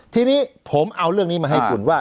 ทีนี้ผมเอาเรื่องนี้มาให้คุณว่า